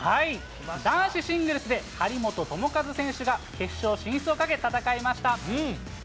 男子シングルスで、張本智和選手が決勝進出をかけ、戦いました。